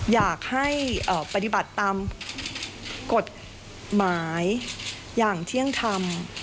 อยากให้ปฏิบัติตามกฎหมายอย่างเที่ยงธรรม